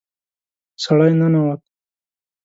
سړی ننوت.